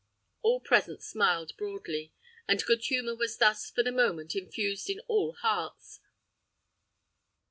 All present smiled broadly, and good humor was thus, for the moment, infused in all hearts.